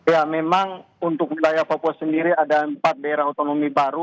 ya memang untuk wilayah papua sendiri ada empat daerah otonomi baru